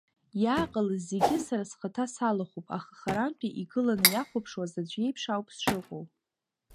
Иааҟалаз зегьы сара схаҭа салахәуп, аха харантәи игыланы иахәаԥшуаз аӡә иеиԥш ауп сшыҟоу.